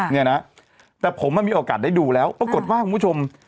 เนี่ยนะแต่ผมมีโอกาสได้ดูแล้วปรากฏว่าคุณผู้ชม